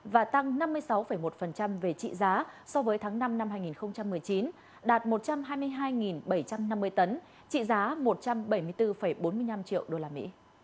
và tăng năm mươi sáu một về trị giá so với tháng năm năm hai nghìn một mươi chín đạt một trăm hai mươi hai bảy trăm năm mươi tấn trị giá một trăm bảy mươi bốn bốn mươi năm triệu usd